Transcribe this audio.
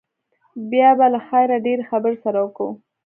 بيا به له خيره ډېرې خبرې سره وکو.